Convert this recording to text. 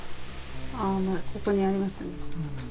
ここにありますね。